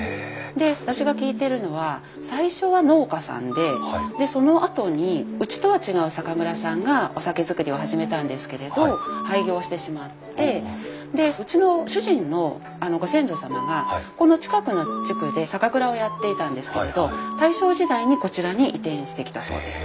で私が聞いてるのは最初は農家さんでそのあとにうちとは違う酒蔵さんがお酒造りを始めたんですけれど廃業してしまってでうちの主人のご先祖様がこの近くの地区で酒蔵をやっていたんですけれど大正時代にこちらに移転してきたそうです。